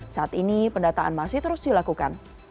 saat ini pendataan masih terus dilakukan